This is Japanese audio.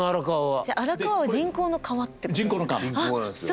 じゃあ荒川は人工の川ってことですか。